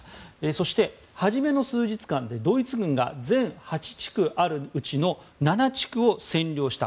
そして、初めの数日間でドイツ軍が全８地区あるうちの７地区を占領した。